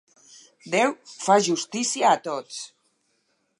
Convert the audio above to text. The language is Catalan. Déu fa justícia a tots.